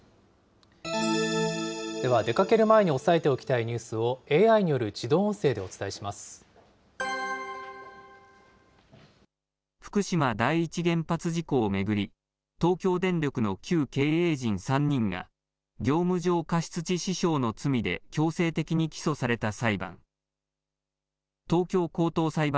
では出かける前に押さえておきたいニュースをＡＩによる自動福島第一原発事故を巡り、東京電力の旧経営陣３人が、業務上過失致死傷の罪で強制的に起訴された裁判。